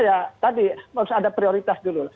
ya tadi harus ada prioritas dulu